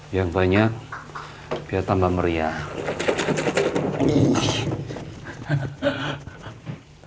yang banyak dia tambah meriah